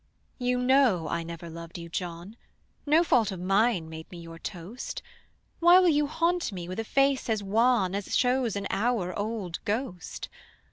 You know I never loved you, John; No fault of mine made me your toast: Why will you haunt me with a face as wan As shows an hour old ghost?